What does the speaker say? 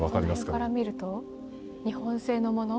この辺から見ると日本製のもの？